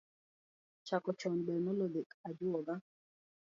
Chako Chon ber, noloyo dhi ajuoga